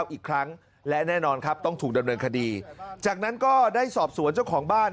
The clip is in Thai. อีกครั้งและแน่นอนครับต้องถูกดำเนินคดีจากนั้นก็ได้สอบสวนเจ้าของบ้าน